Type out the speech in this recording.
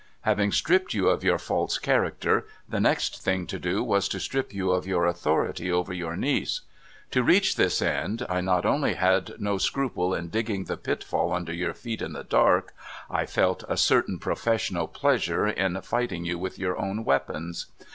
Having stripped you of your false character, the next thing to do was to strip you of your authority over your niece. To reach this end, I not only had no scruple in digging the pitfall under your feet in the dark — I felt a certain professional pleasure in fighting you with your own weapons.